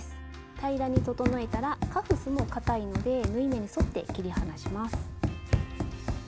平らに整えたらカフスもかたいので縫い目に沿って切り離します。